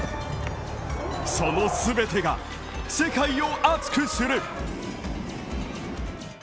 その全てが世界を熱くする。